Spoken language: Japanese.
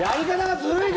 ずるい！